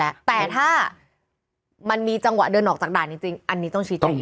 แต่ถ้ามันมีจังหวะเดินออกจากด่านจริงจริงอันนี้ต้องชี้แจง